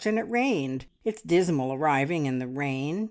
And it rained! It's dismal arriving in the rain.